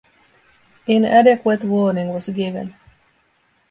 Inadequate warning was given.